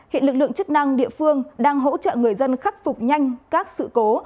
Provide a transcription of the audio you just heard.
hiện lực lượng chức năng địa phương đang hỗ trợ người dân khắc phục nhanh các sự cố